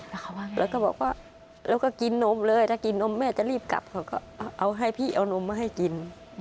แล้วเขาก็บอกว่าแล้วก็กินนมเลยถ้ากินนมแม่จะรีบกลับเขาก็เอาให้พี่เอานมมาให้กิน